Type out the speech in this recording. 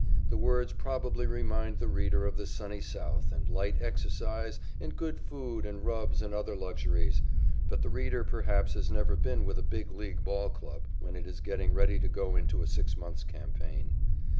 The words probably remind the reader of the sunny South and light exercise and good food and rubs and other luxuries, but the reader perhaps has never been with a Big League ball club when it is getting ready to go into a six months' campaign.